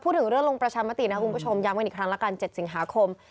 พูดถึงเรื่องลงประชามตินะคุณผู้ชมย้ำกันอีกครั้งละกัน๗สิงหาคม